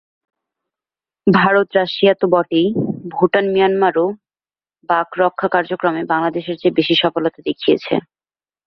ভারত-রাশিয়া তো বটেই, ভুটান-মিয়ানমারও বাঘ রক্ষা কার্যক্রমে বাংলাদেশের চেয়ে বেশি সফলতা দেখিয়েছে।